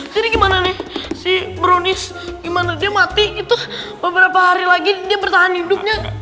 jadi gimana nih si bronis gimana dia mati itu beberapa hari lagi dia bertahan hidupnya